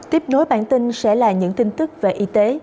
tiếp nối bản tin sẽ là những tin tức về y tế